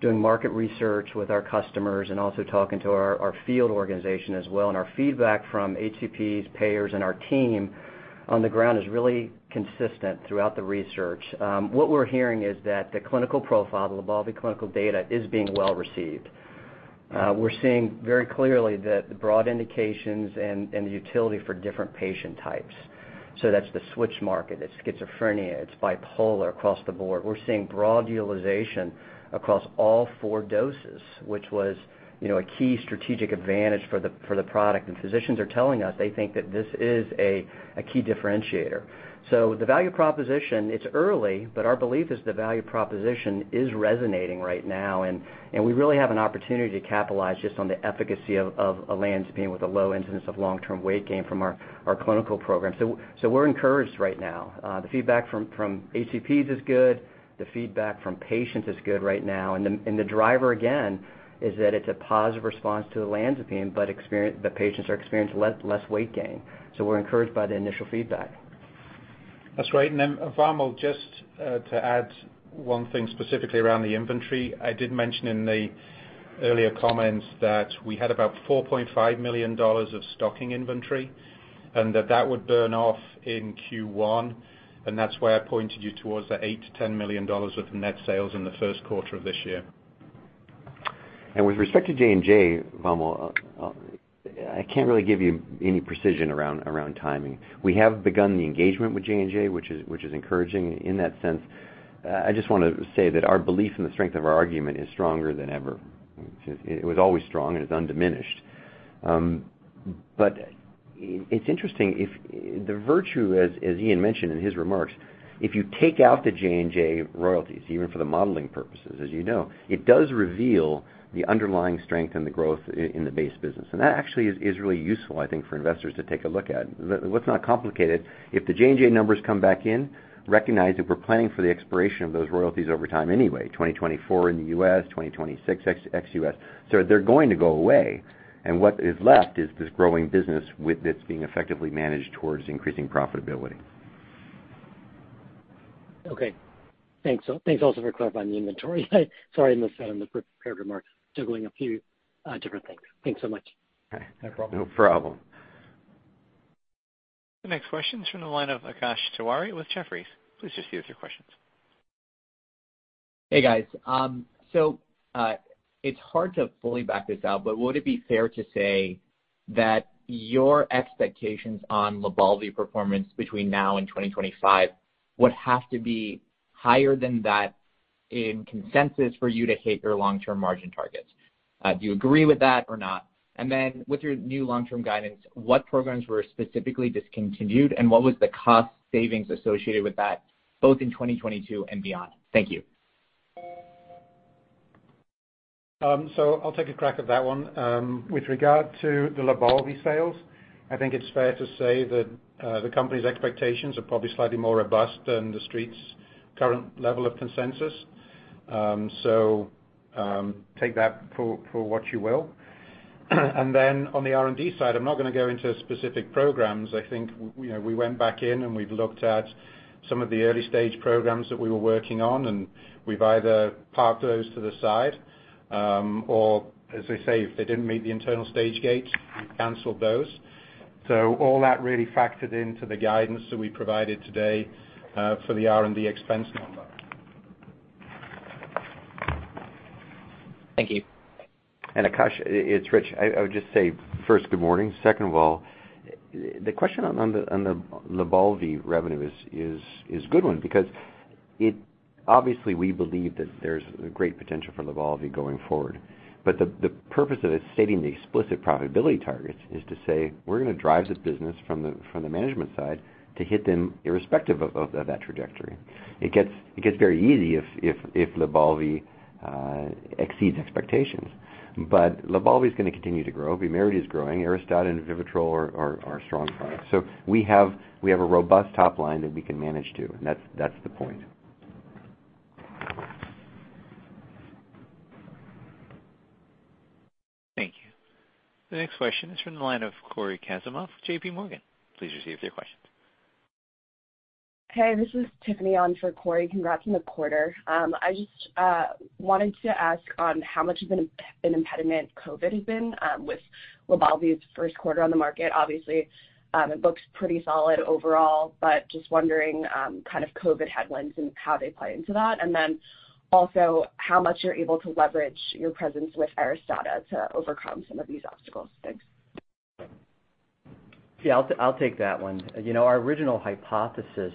doing market research with our customers and also talking to our field organization as well, and our feedback from HCPs, payers, and our team on the ground is really consistent throughout the research. What we're hearing is that the clinical profile, the LYBALVI clinical data is being well received. We're seeing very clearly the broad indications and the utility for different patient types. That's the switch market, it's schizophrenia, it's bipolar across the board. We're seeing broad utilization across all four doses, which was, you know, a key strategic advantage for the product. Physicians are telling us they think that this is a key differentiator. The value proposition, it's early, but our belief is the value proposition is resonating right now, and we really have an opportunity to capitalize just on the efficacy of olanzapine with a low incidence of long-term weight gain from our clinical program. We're encouraged right now. The feedback from HCPs is good. The feedback from patients is good right now. The driver, again, is that it's a positive response to olanzapine, but patients are experiencing less weight gain. We're encouraged by the initial feedback. That's great. Vamil, just to add one thing specifically around the inventory. I did mention in the earlier comments that we had about $4.5 million of stocking inventory and that that would burn off in Q1, and that's why I pointed you towards the $8 million-$10 million of net sales in the first quarter of this year. With respect to J&J, Vamil, I can't really give you any precision around timing. We have begun the engagement with J&J, which is encouraging in that sense. I just wanna say that our belief in the strength of our argument is stronger than ever. It was always strong and is undiminished. But it's interesting, the virtue as Iain mentioned in his remarks, if you take out the J&J royalties, even for the modeling purposes, as you know, it does reveal the underlying strength and the growth in the base business. That actually is really useful, I think, for investors to take a look at. But what's not complicated, if the J&J numbers come back in, recognize that we're planning for the expiration of those royalties over time anyway, 2024 in the U.S., 2026 ex U.S. They're going to go away, and what is left is this growing business with this being effectively managed towards increasing profitability. Okay. Thanks. Thanks also for clarifying the inventory. Sorry, I missed that on the pre-prepared remarks, juggling a few different things. Thanks so much. No problem. The next question is from the line of Akash Tewari with Jefferies. Please proceed with your questions. Guys. It's hard to fully back this out, but would it be fair to say that your expectations on LYBALVI performance between now and 2025 would have to be higher than that in consensus for you to hit your long-term margin targets? Do you agree with that or not? With your new long-term guidance, what programs were specifically discontinued, and what was the cost savings associated with that, both in 2022 and beyond? Thank you. I'll take a crack at that one. With regard to the LYBALVI sales, I think it's fair to say that the company's expectations are probably slightly more robust than the street's current level of consensus. Take that for what you will. On the R&D side, I'm not gonna go into specific programs. I think, you know, we went back in, and we've looked at some of the early-stage programs that we were working on, and we've either parked those to the side, or as I say, if they didn't meet the internal stage gate, we canceled those. All that really factored into the guidance that we provided today for the R&D expense number. Thank you. Akash, it's Richard. I would just say, first, good morning. Second of all, the question on the LYBALVI revenue is a good one because obviously, we believe that there's a great potential for LYBALVI going forward. But the purpose of it stating the explicit profitability targets is to say, we're gonna drive the business from the management side to hit them irrespective of that trajectory. It gets very easy if LYBALVI exceeds expectations. But LYBALVI is gonna continue to grow. VUMERITY is growing. ARISTADA and VIVITROL are strong products. So we have a robust top line that we can manage to, and that's the point. Thank you. The next question is from the line of Cory Kasimov, J.P. Morgan. Please proceed with your questions. This is Tiffany on for Cory. Congrats on the quarter. I just wanted to ask on how much of an impediment COVID has been with LYBALVI's first quarter on the market. Obviously, it looks pretty solid overall, but just wondering kind of COVID headwinds and how they play into that. Then also how much you're able to leverage your presence with ARISTADA to overcome some of these obstacles. Thanks. Yeah, I'll take that one. You know, our original hypothesis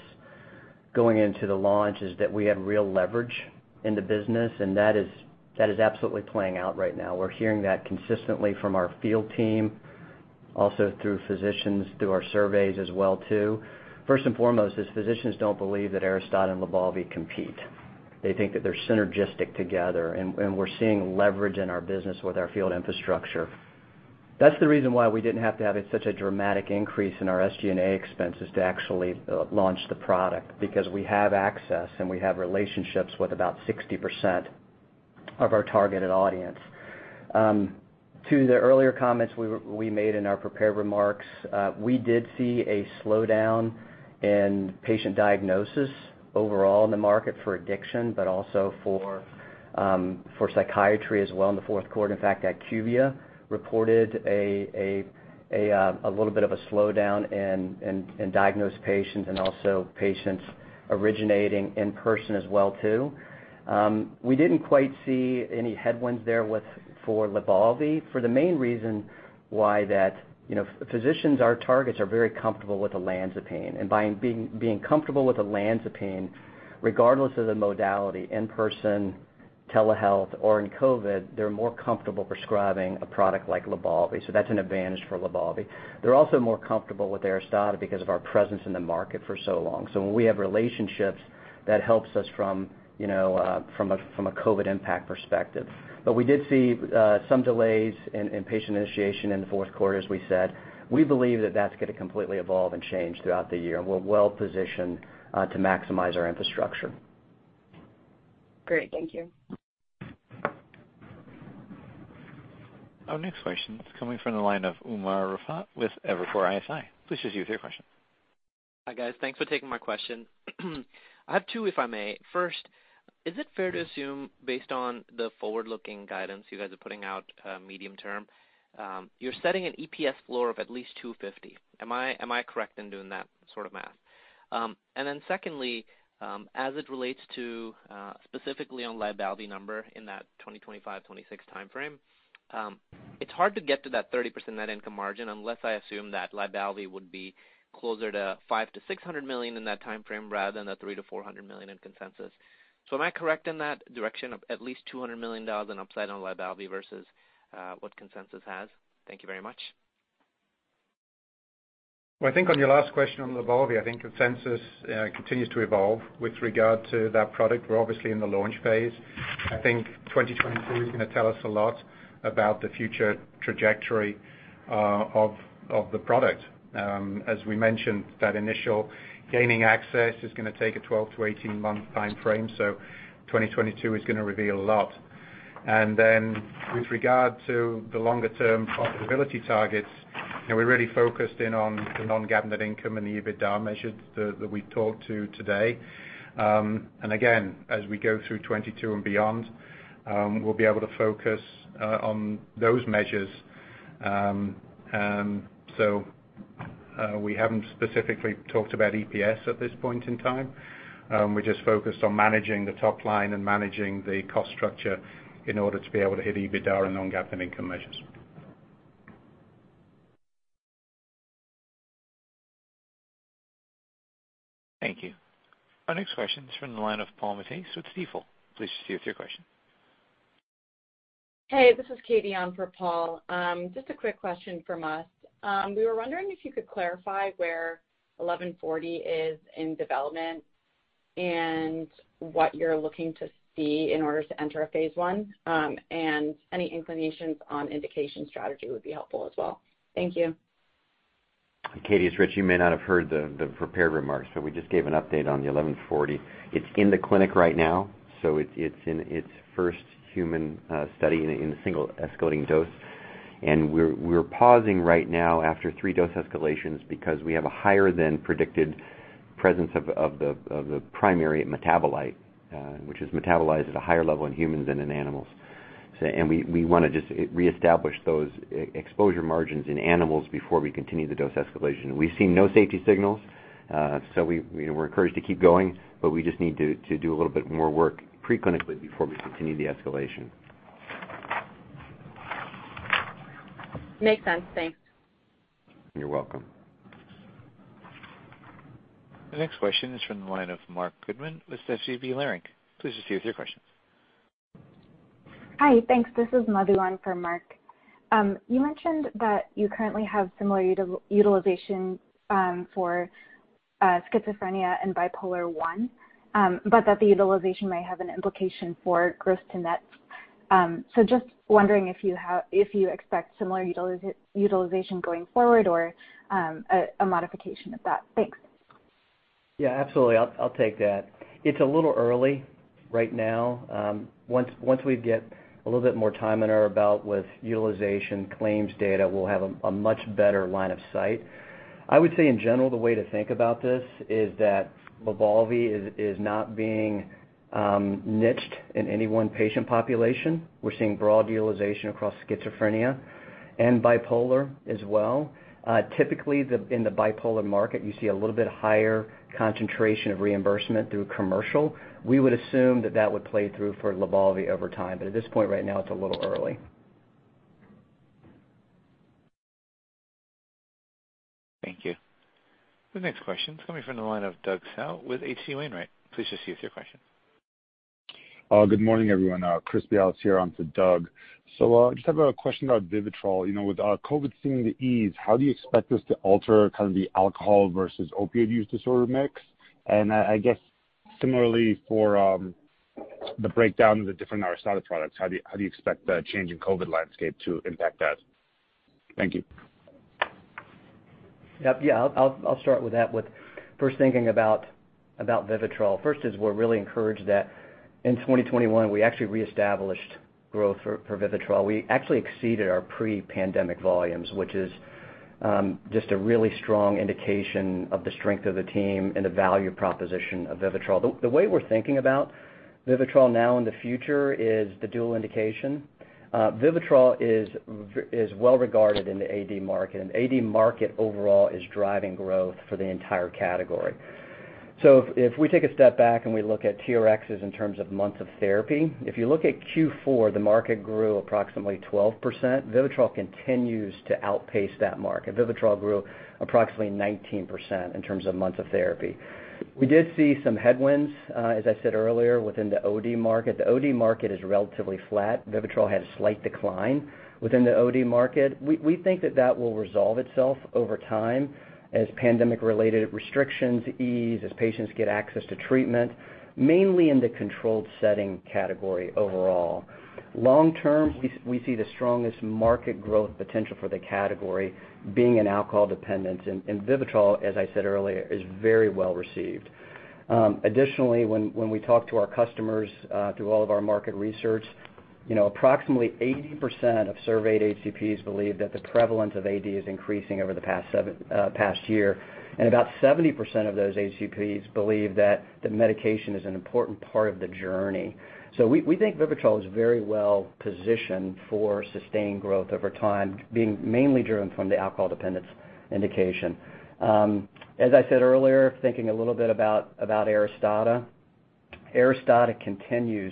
going into the launch is that we had real leverage in the business, and that is absolutely playing out right now. We're hearing that consistently from our field team, also through physicians, through our surveys as well too. First and foremost, physicians don't believe that Aristada and LYBALVI compete. They think that they're synergistic together, and we're seeing leverage in our business with our field infrastructure. That's the reason why we didn't have to have such a dramatic increase in our SG&A expenses to actually launch the product, because we have access, and we have relationships with about 60% of our targeted audience. To the earlier comments we made in our prepared remarks, we did see a slowdown in patient diagnosis overall in the market for addiction, but also for psychiatry as well in the fourth quarter. In fact, IQVIA reported a little bit of a slowdown in diagnosed patients and also patients originating in person as well. We didn't quite see any headwinds there with LYBALVI for the main reason why that, you know, physicians, our targets are very comfortable with olanzapine. By being comfortable with olanzapine, regardless of the modality, in-person, telehealth or in COVID, they're more comfortable prescribing a product like LYBALVI. That's an advantage for LYBALVI. They're also more comfortable with ARISTADA because of our presence in the market for so long. When we have relationships, that helps us from a COVID impact perspective. We did see some delays in patient initiation in the fourth quarter, as we said. We believe that that's gonna completely evolve and change throughout the year. We're well positioned to maximize our infrastructure. Great. Thank you. Our next question is coming from the line of Umer Raffat with Evercore ISI. Please proceed with your question. Hi, guys. Thanks for taking my question. I have two, if I may. First, is it fair to assume based on the forward-looking guidance you guys are putting out, medium term, you're setting an EPS floor of at least $2.50? Am I correct in doing that sort of math? And then secondly, as it relates to, specifically on LYBALVI in that 2025-2026 timeframe, it's hard to get to that 30% net income margin unless I assume that LYBALVI would be closer to $500 million-$600 million in that timeframe rather than the $300 million-$400 million in consensus. Am I correct in that direction of at least $200 million in upside on LYBALVI versus, what consensus has? Thank you very much. Well, I think on your last question on LYBALVI, I think consensus continues to evolve with regard to that product. We're obviously in the launch phase. I think 2022 is gonna tell us a lot about the future trajectory of the product. As we mentioned, that initial gaining access is gonna take a 12-18-month timeframe, so 2022 is gonna reveal a lot. Then with regard to the longer-term profitability targets, you know, we're really focused in on the non-GAAP net income and the EBITDA measures that we talked to today. Again, as we go through 2022 and beyond, we'll be able to focus on those measures. We haven't specifically talked about EPS at this point in time. We're just focused on managing the top line and managing the cost structure in order to be able to hit EBITDA and non-GAAP net income measures. Thank you. Our next question is from the line of Paul Matteis with Stifel. Please proceed with your question. This is Katie on for Paul. Just a quick question from us. We were wondering if you could clarify where ALKS 1140 is in development and what you're looking to see in order to enter a phase I. Any inclinations on indication strategy would be helpful as well. Thank you. Katie, it's Richard. You may not have heard the prepared remarks, so we just gave an update on the ALKS 1140. It's in the clinic right now, so it's in its first human study in a single escalating dose. We're pausing right now after 3 dose escalations because we have a higher than predicted presence of the primary metabolite, which is metabolized at a higher level in humans than in animals. We want to just reestablish those exposure margins in animals before we continue the dose escalation. We've seen no safety signals, so you know, we're encouraged to keep going, but we just need to do a little bit more work preclinically before we continue the escalation. Makes sense. Thanks. You're welcome. The next question is from the line of Marc Goodman with Stifel Nicolaus. Please proceed with your question. Hi. Thanks. This is Madhu on for Marc. You mentioned that you currently have similar utilization for schizophrenia and bipolar one, but that the utilization may have an implication for gross to net. So just wondering if you expect similar utilization going forward or a modification of that. Thanks. Yeah, absolutely. I'll take that. It's a little early right now. Once we get a little bit more time under our belt with utilization claims data, we'll have a much better line of sight. I would say in general, the way to think about this is that LYBALVI is not being niched in any one patient population. We're seeing broad utilization across schizophrenia and bipolar as well. Typically in the bipolar market you see a little bit higher concentration of reimbursement through commercial. We would assume that would play through for LYBALVI over time, but at this point right now, it's a little early. Thank you. The next question is coming from the line of Doug Tsao with H.C. Wainwright. Please proceed with your question. Good morning, everyone. Chris Bialis here on for Doug. I just have a question about VIVITROL. You know, with COVID seeming to ease, how do you expect this to alter kind of the alcohol versus opioid use disorder mix? I guess similarly for the breakdown of the different Aristada products, how do you expect the change in COVID landscape to impact that? Thank you. Yeah. I'll start with that, first thinking about Vivitrol. We're really encouraged that in 2021 we actually reestablished growth for Vivitrol. We actually exceeded our pre-pandemic volumes, which is just a really strong indication of the strength of the team and the value proposition of Vivitrol. The way we're thinking about Vivitrol now in the future is the dual indication. Vivitrol is well regarded in the AD market, and AD market overall is driving growth for the entire category. So if we take a step back and we look at TRXs in terms of months of therapy, if you look at Q4, the market grew approximately 12%. Vivitrol continues to outpace that market. Vivitrol grew approximately 19% in terms of months of therapy. We did see some headwinds, as I said earlier, within the OD market. The OD market is relatively flat. Vivitrol had a slight decline within the OD market. We think that will resolve itself over time as pandemic-related restrictions ease, as patients get access to treatment, mainly in the controlled setting category overall. Long term, we see the strongest market growth potential for the category being in alcohol dependence. Vivitrol, as I said earlier, is very well received. Additionally, when we talk to our customers through all of our market research, you know, approximately 80% of surveyed HCPs believe that the prevalence of AD is increasing over the past year, and about 70% of those HCPs believe that the medication is an important part of the journey. We think Vivitrol is very well positioned for sustained growth over time, being mainly driven from the alcohol dependence indication. As I said earlier, thinking a little bit about Aristada. Aristada continues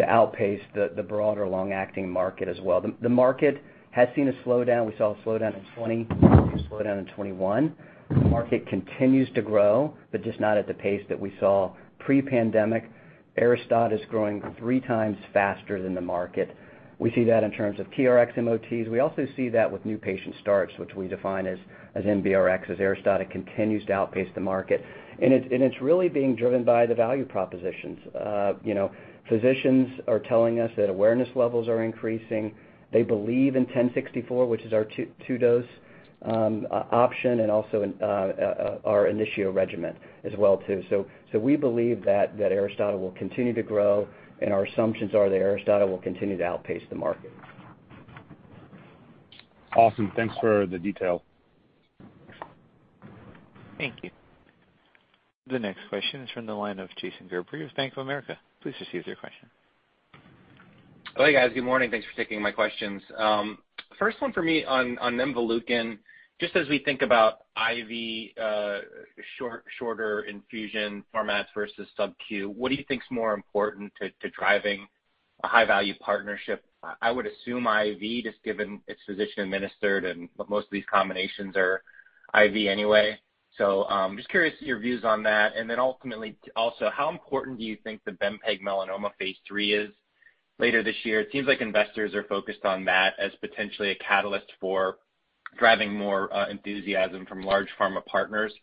to outpace the broader long-acting market as well. The market has seen a slowdown. We saw a slowdown in 2020, a slowdown in 2021. The market continues to grow, but just not at the pace that we saw pre-pandemic. Aristada is growing three times faster than the market. We see that in terms of TRx MOTs. We also see that with new patient starts, which we define as NBRx. As Aristada continues to outpace the market. It's really being driven by the value propositions. You know, physicians are telling us that awareness levels are increasing. They believe in 1064 mg, which is our two-dose option and also in our initial regimen as well too. So we believe that ARISTADA will continue to grow, and our assumptions are that ARISTADA will continue to outpace the market. Awesome. Thanks for the detail. Thank you. The next question is from the line of Jason Gerberry of Bank of America. Please proceed with your question. Guys. Good morning. Thanks for taking my questions. First one for me on nemvaleukin, just as we think about IV, shorter infusion formats versus subQ, what do you think is more important to driving a high-value partnership? I would assume IV, just given it's physician administered and most of these combinations are IV anyway. Just curious your views on that. Ultimately, also, how important do you think the Bempegaldesleukin melanoma phase III is later this year? It seems like investors are focused on that as potentially a catalyst for driving more enthusiasm from large pharma partners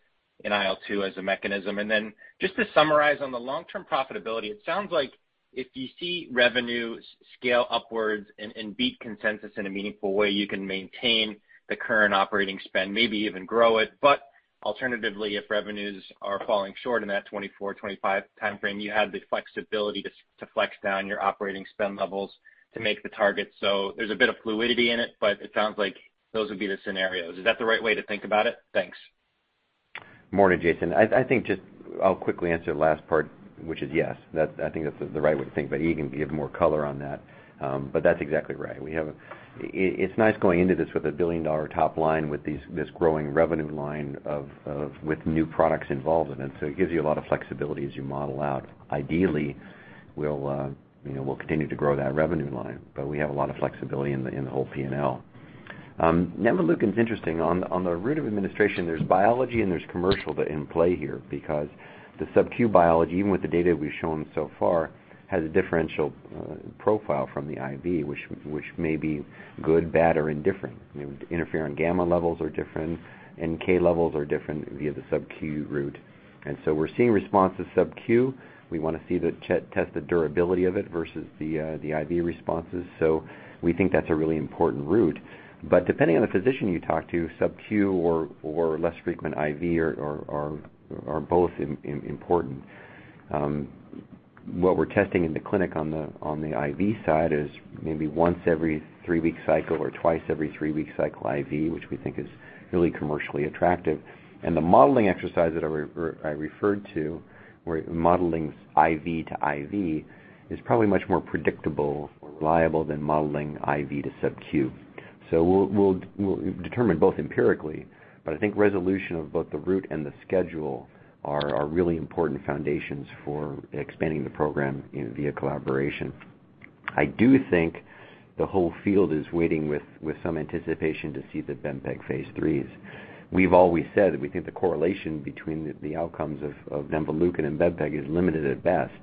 in IL-2 as a mechanism. Just to summarize on the long-term profitability, it sounds like if you see revenues scale upwards and beat consensus in a meaningful way, you can maintain the current operating spend, maybe even grow it. Alternatively, if revenues are falling short in that 2024/2025 timeframe, you have the flexibility to flex down your operating spend levels to make the target. There's a bit of fluidity in it, but it sounds like those would be the scenarios. Is that the right way to think about it? Thanks. Morning, Jason. I think just I'll quickly answer the last part, which is yes. I think that's the right way to think. Iain can give more color on that. That's exactly right. It's nice going into this with a billion-dollar top line with this growing revenue line with new products involved in it. It gives you a lot of flexibility as you model out. Ideally, we'll continue to grow that revenue line, but we have a lot of flexibility in the whole P&L. nemvaleukin is interesting. On the route of administration, there's biology and there's commercial in play here because the subQ biology, even with the data we've shown so far, has a differential profile from the IV, which may be good, bad, or indifferent. You know, interferon gamma levels are different, and K levels are different via the subQ route. We're seeing response to subQ. We wanna see to test the durability of it versus the IV responses. We think that's a really important route. Depending on the physician you talk to, subQ or less frequent IV are both important. What we're testing in the clinic on the IV side is maybe once every three-week cycle or twice every three-week cycle IV, which we think is really commercially attractive. The modeling exercise that I referred to, where modeling IV to IV, is probably much more predictable or reliable than modeling IV to subQ. We'll determine both empirically, but I think resolution of both the route and the schedule are really important foundations for expanding the program in vivo collaboration. I do think the whole field is waiting with some anticipation to see the bempegaldesleukin phase IIIs. We've always said that we think the correlation between the outcomes of nemvaleukin and bempegaldesleukin is limited at best.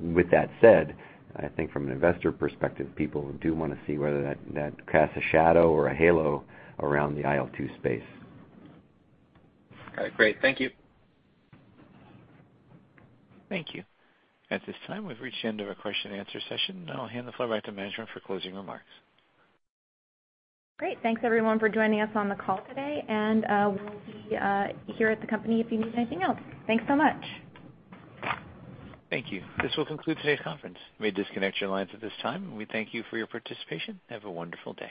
With that said, I think from an investor perspective, people do wanna see whether that casts a shadow or a halo around the IL-2 space. Got it. Great. Thank you. Thank you. At this time, we've reached the end of our question and answer session. I'll hand the floor back to management for closing remarks. Great. Thanks, everyone, for joining us on the call today. We'll be here at the company if you need anything else. Thanks so much. Thank you. This will conclude today's conference. You may disconnect your lines at this time. We thank you for your participation. Have a wonderful day.